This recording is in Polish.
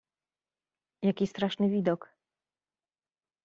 "Jaki straszny widok!"